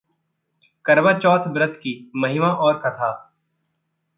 करवा चौथ व्रत की महिमा और कथा